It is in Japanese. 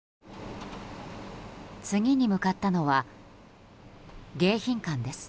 次に向かったのは迎賓館です。